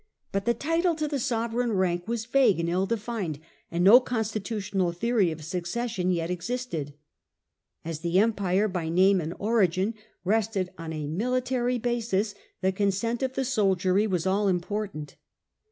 But the title to the sovereign rank was vague and ill defined, and no constitutional theory of succession yet existed. As the Empire by name and Consent of origin rested on a military basis the consent of the soldicry was all important.